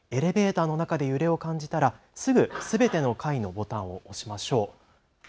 エレベーターの中で揺れを感じたら、すぐすべての階のボタンを押しましょう。